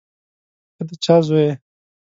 ته د چا زوی یې.